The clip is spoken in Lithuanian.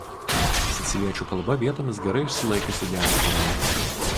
Siciliečių kalba vietomis gerai išsilaikiusi diasporoje.